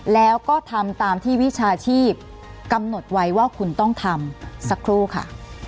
แล้วก็ทำตามที่วิชาชีพกำหนดไว้ว่าคุณต้องทำสักครู่ค่ะ